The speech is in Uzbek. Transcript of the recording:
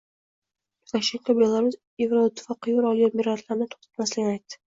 Lukashenko Belarus Yevroittifoqqa yo‘l olgan migrantlarni to‘xtatmasligini aytdi